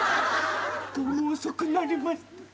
どうも遅くなりました。